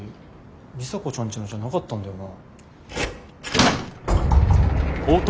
里紗子ちゃんちのじゃなかったんだよな。